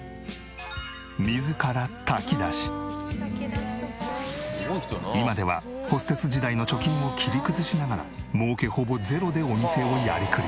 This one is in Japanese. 自ら今ではホステス時代の貯金を切り崩しながら儲けほぼゼロでお店をやりくり。